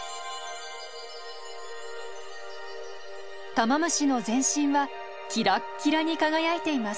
タマムシの全身はキラッキラに輝いています。